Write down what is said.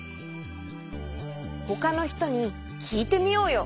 ほかのひとにきいてみようよ。